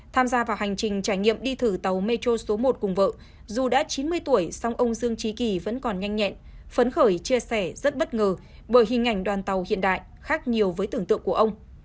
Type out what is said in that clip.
tham gia vào hành trình trải nghiệm đi thử tàu metro số một cùng vợ dù đã chín mươi tuổi song ông dương trí kỳ vẫn còn nhanh nhẹn phấn khởi chia sẻ rất bất ngờ bởi hình ảnh đoàn tàu hiện đại khác nhiều với tưởng tượng của ông